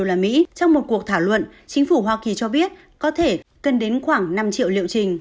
trong một cuộc thảo luận chính phủ hoa kỳ cho biết có thể cần đến khoảng năm triệu liệu trình